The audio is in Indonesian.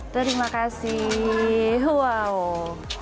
terima kasih wow